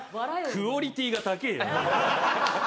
クオリティーが高えよ。